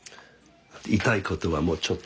言いたいことはもうちょっと。